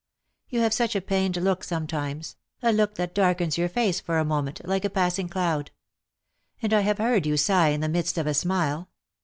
You have such a pained look sometimes, a look that darkens your face for a moment like a passing cloud. And I have heard you sigh in the midst of a smile.